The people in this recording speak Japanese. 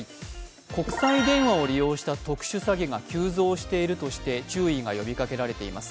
国際電話を利用した特殊詐欺が急増しているとして注意が呼びかけられています。